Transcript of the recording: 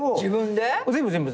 全部全部。